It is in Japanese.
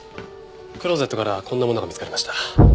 クローゼットからこんなものが見つかりました。